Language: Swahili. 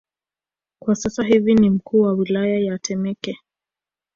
kwa sasa hivi ni mkuu wa wilaya ya Temeke